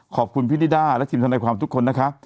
ขอบคุณพี่นิด้าและทีมทนายความทุกคนนะคะ